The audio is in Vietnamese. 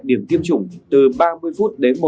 điểm tiêm chủng từ ba mươi phút đến